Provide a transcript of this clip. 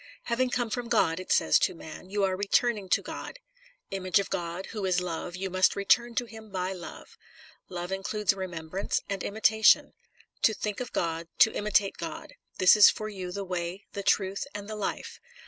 " Having come from God," it says to man, "you are returning to God. Image of God, who is love, you must return to him by love. Love includes remembrance and imitation. To think of God, to imitate God ; this is for you the way, the truth, and the life.